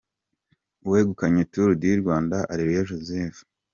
Uwegukanye Turu di Rwanda: Areruya Jozefu